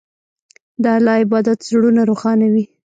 د الله عبادت زړونه روښانوي.